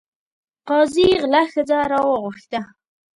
قاضي غله ښځه راوغوښته.